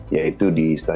yaitu di stadion keluarga